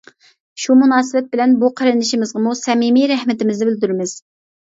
شۇ مۇناسىۋەت بىلەن بۇ قېرىندىشىمىزغىمۇ سەمىمىي رەھمىتىمىزنى بىلدۈرىمىز.